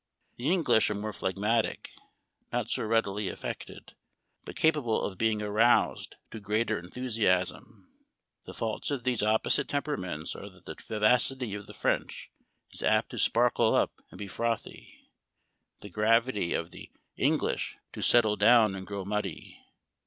The English are more phleg matic, not so readily affected, but capable of being aroused to greater enthusiasm. The faults of these opposite temperaments are that the vivacity of the French is apt to sparkle up and be frothy, the gravity of the English 264 Memoir of Washington Irving. to settle down and grow muddy.